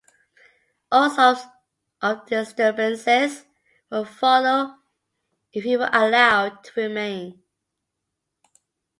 All sorts of disturbances would follow if he were allowed to remain.